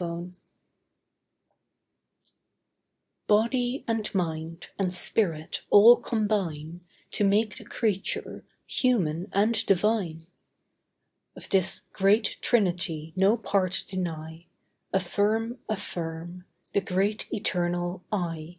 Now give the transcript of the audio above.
AFFIRM Body and mind, and spirit, all combine To make the Creature, human and divine. Of this great trinity no part deny. Affirm, affirm, the Great Eternal I.